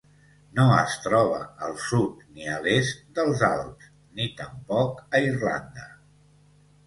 No es troba al sud ni a l'est dels Alps ni tampoc a Irlanda.